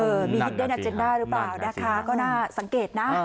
มีฮิตเดนาเจนด้าหรือเปล่านะคะก็น่าสังเกตนะ